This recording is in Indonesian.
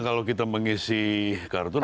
kalau kita mengisi kartun